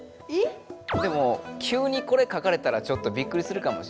でもきゅうにこれ書かれたらちょっとびっくりするかも。